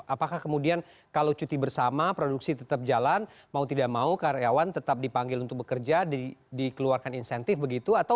apakah kemudian kalau cuti bersama produksi tetap jalan mau tidak mau karyawan tetap dipanggil untuk bekerja dikeluarkan insentif begitu